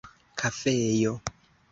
kafejo